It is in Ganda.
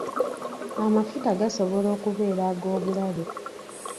Amafuta gasobola okubeera ag'obulabe.